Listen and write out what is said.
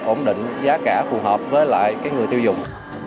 ổn định giá cả phù hợp với lại cái người tiêu dùng